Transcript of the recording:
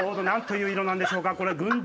何という色なんでしょうか？